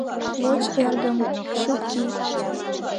Воч, эргым, шып кий.